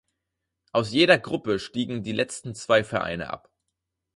Aus jeder Gruppe stiegen die letzten zwei Vereine ab.